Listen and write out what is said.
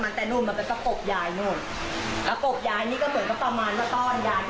มันแต่นู้นมันเป็นประกบย้ายก็เป็นประตอบย้าย